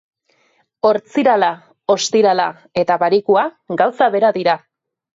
Ortzirala, ostirala eta barikua gauza bera dira.